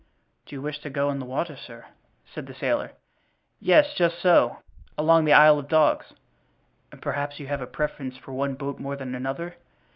"Do you wish to go on the water, sir?" said the sailor. "Yes, just so. Along the Isle of Dogs." "And perhaps you have a preference for one boat more than another.